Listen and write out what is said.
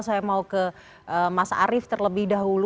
saya mau ke mas arief terlebih dahulu